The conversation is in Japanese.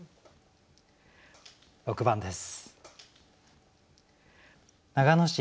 ６番です。